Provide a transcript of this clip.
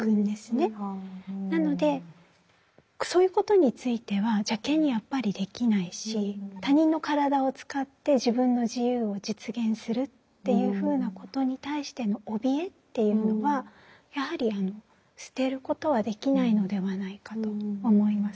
なのでそういうことについては邪けんにやっぱりできないし他人の体を使って自分の自由を実現するっていうふうなことに対してのおびえっていうのはやはり捨てることはできないのではないかと思います。